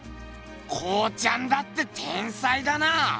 康ちゃんだって天才だな！